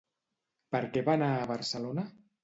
Per què va anar a Barcelona?